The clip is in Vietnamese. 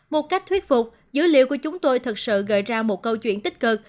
một cách thuyết phục dữ liệu của chúng tôi thật sự gợi ra một câu chuyện tích cực